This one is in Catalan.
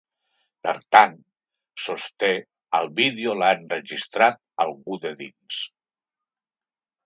Per tant, sosté, el vídeo l’ha enregistrat ‘algú de dins’.